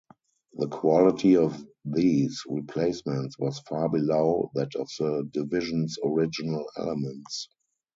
The quality of these replacements was far below that of the division's original elements.